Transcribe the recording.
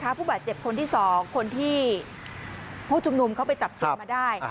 เพราะผู้บาดเจ็บคนที่สองคนที่ผู้จุ่มนุมเข้าไปจับตัวมาได้